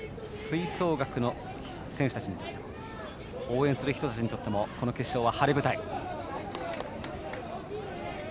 吹奏楽の選手たち応援する人たちにとってもこの決勝は晴れ舞台。